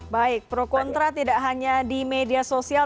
baik pro kontra tidak hanya di media sosial